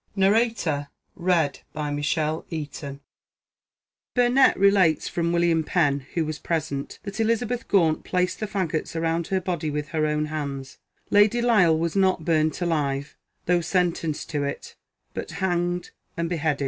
[Burnet relates from William Penn, who was present, that Eliza beth Gaunt placed the faggots round her body with her own hands. Lady Lisle was not burnt alive, though sentenced to it ; but hanged and beheaded.